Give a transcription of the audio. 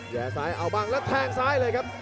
แย่ซ้ายเอาบ้างแล้วแทงซ้ายเลยครับ